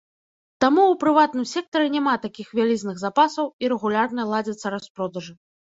Таму ў прыватным сектары няма такіх вялізных запасаў, і рэгулярна ладзяцца распродажы.